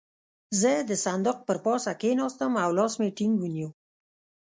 زه د صندوق پر پاسه کېناستم او لاس مې ټينګ ونيو.